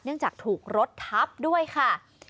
จากถูกรถทับด้วยค่ะ